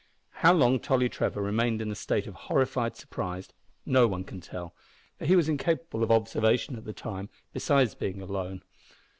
How long Tolly Trevor remained in a state of horrified surprise no one can tell, for he was incapable of observation at the time, besides being alone.